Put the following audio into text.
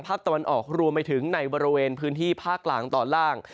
ตะวันออกรวมไปถึงในบริเวณพื้นที่ภาคกลางตอนล่าง